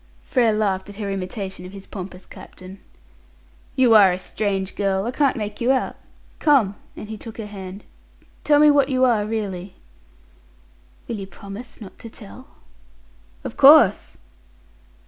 Frere laughed at her imitation of his pompous captain. "You are a strange girl; I can't make you out. Come," and he took her hand, "tell me what you are really." "Will you promise not to tell?" "Of course."